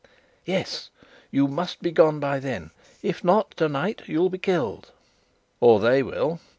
"Yes. You must be gone by then. If not, tonight you'll be killed " "Or they will."